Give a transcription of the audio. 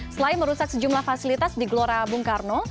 selain merusak sejumlah fasilitas di gelora bung karno